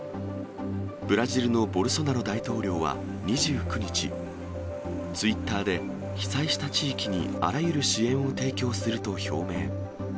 ブラジルのボルソナロ大統領は２９日、ツイッターで、被災した地域にあらゆる支援を提供すると表明。